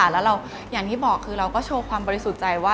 แล้วเราอย่างที่บอกคือเราก็โชว์ความบริสุทธิ์ใจว่า